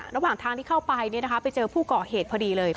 ระหว่างทางที่เข้าไปไปเจอผู้ก่อเหตุพอดีเลย